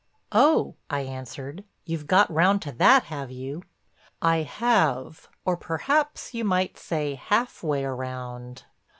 "Oh," I answered, "you've got round to that, have you?" "I have, or perhaps you might say half way around."